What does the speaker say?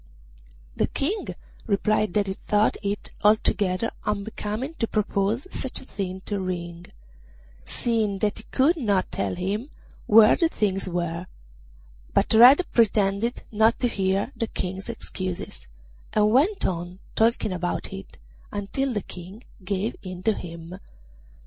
The King replied that he thought it altogether unbecoming to propose such a thing to Ring, seeing that he could not tell him where the things were; but Red pretended not to hear the King's excuses, and went on talking about it until the King gave in to him.